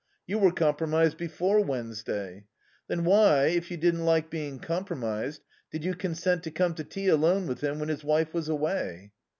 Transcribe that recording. You were compromised before Wednesday. Then why, if you didn't like being compromised, did you consent to come to tea alone with him when his wife was away?"